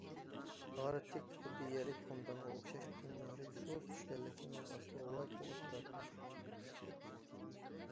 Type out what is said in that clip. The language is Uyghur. غار تىك، خۇددى يەرلىك خۇمدانغا ئوخشاش كۈن نۇرى سۇس چۈشكەنلىكتىن ئاستى غۇۋا كۆرۈنۈپ تۇراتتى.